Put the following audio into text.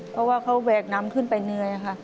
เพราะว่าเขาแหวกน้ำขึ้นไปเหนื่อยค่ะ